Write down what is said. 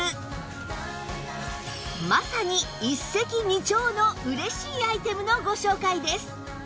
まさに一石二鳥の嬉しいアイテムのご紹介です